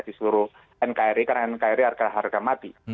di seluruh nkri karena nkri harga harga mati